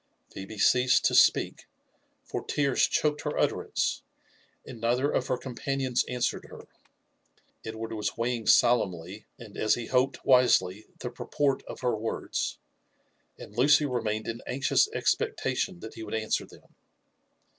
Phebe ceased to speak, for tears choked her utterance, and neither of her companions an&wered her. Edward was weighing solemnly, and, as he hoped, wisely, the purport of her words ; and Lucy re mained in anxious expectation that he would answer them.